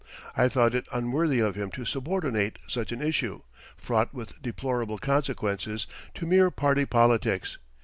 I thought it unworthy of him to subordinate such an issue, fraught with deplorable consequences, to mere party politics.